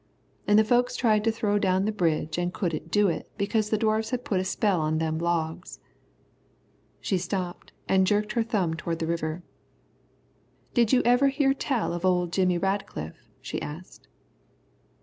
An' the folks tried to throw down the bridge an' couldn't do it because the Dwarfs had put a spell on them logs." She stopped and jerked her thumb toward the river. "Did you ever hear tell of old Jimmy Radcliff?" she asked.